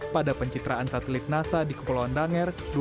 pada pencitraan satelit nasa di kepulauan daner